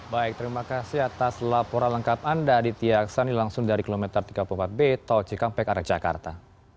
baik terima kasih atas laporan lengkap anda aditya aksani langsung dari km tiga puluh empat b taujekang pekarang jakarta